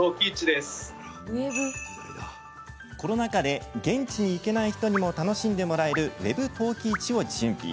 コロナ禍で現地に行けない人にも楽しんでもらえるＷｅｂ陶器市を準備。